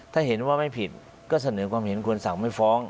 ถ้าเห็นว่าไม่ผิดก็เสนอความเห็นควรสั่งไม่ฟ้อง